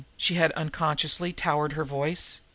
She had unconsciously towered her voice.